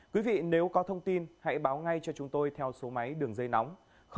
quý vị nếu có thông tin hãy báo ngay cho chúng tôi theo số máy đường dây nóng sáu mươi chín nghìn hai trăm ba mươi bốn